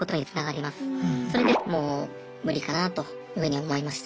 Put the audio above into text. それでもう無理かなというふうに思いました。